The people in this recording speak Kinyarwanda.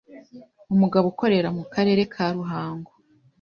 Umugabo ukorera mu karere ka Ruhango